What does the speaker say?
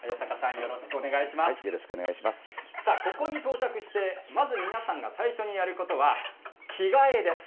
ここに到着して、まず皆さんが最初にやることは着替えです。